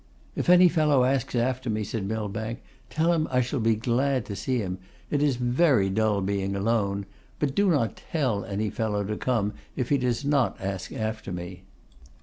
'If any fellow asks after me,' said Millbank, 'tell him I shall be glad to see him. It is very dull being alone. But do not tell any fellow to come if he does not ask after me.